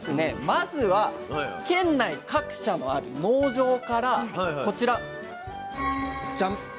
まずは県内各社にある農場からこちらジャン。